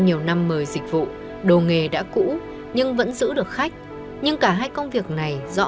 nhiều năm mời dịch vụ đồ nghề đã cũ nhưng vẫn giữ được khách nhưng cả hai công việc này do